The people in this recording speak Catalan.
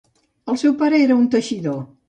El seu pare era un teixidor.